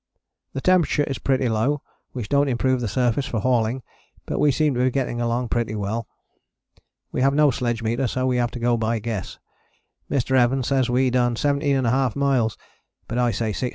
The temperature is pretty low, which dont improve the surface for hauling, but we seem to be getting along pretty well. We have no sledge meter so we have to go by guess. Mr. Evans says we done 17½ miles, but I say 16½.